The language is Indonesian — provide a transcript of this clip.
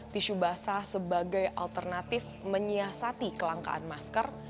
tisu basah sebagai alternatif menyiasati kelangkaan masker